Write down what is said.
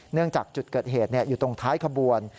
จากจุดเกิดเหตุอยู่ตรงท้ายขบวน